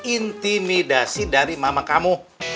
intimidasi dari mama kamu